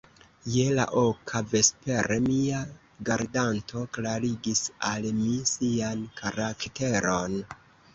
Je la oka vespere, mia gardanto klarigis al mi sian karakteron.